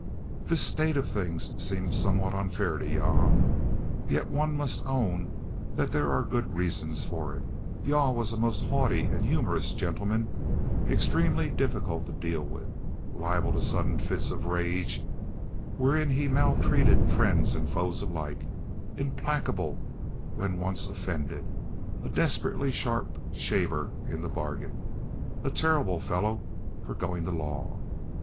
This state of things seems somewhat unfair to Jah; yet one must own that there are good reasons for it. Jah was a most haughty and humorous gentleman, extremely difficult to deal with, liable to sudden fits of rage, wherein he maltreated friends and foes alike, implacable when once offended, a desperately sharp shaver in the bargain, a terrible fellow for going to law.